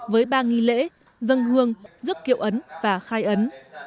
với ba nghi lễ dân hương rước kiệu ấn và khai ấn